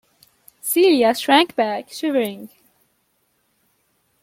Celia shrank back, shivering.